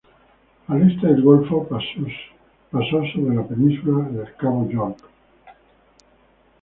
Al este del golfo pasó sobre la península del Cabo York.